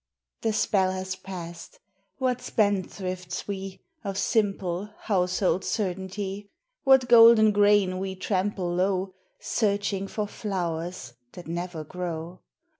The spell has passed. What spendthrifts we, Of simple, household certainty ! What golden grain we trample low Searching for flowers that never grow!